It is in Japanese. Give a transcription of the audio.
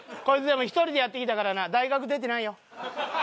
こいつでも１人でやってきたからな大学出てないよ。